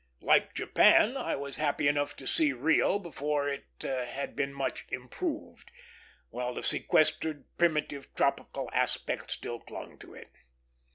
Like Japan, I was happy enough to see Rio before it had been much improved, while the sequestered, primitive, tropical aspect still clung to it.